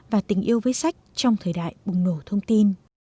và tình yêu với sách trong thời đại bùng nổ thông tin